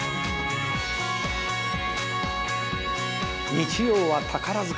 日曜は宝塚記念。